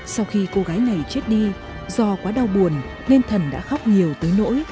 sau khi cô gái này chết đi do quá đau buồn nên thần đã khóc nhiều tới nỗi